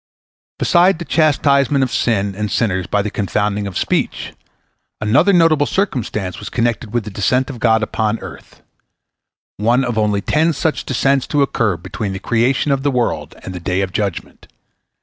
Beside the chastisement of sin and sinners by the confounding of speech, another notable circumstance was connected with the descent of God upon earth—one of only ten such descents to occur between the creation of the world and the day of judgment.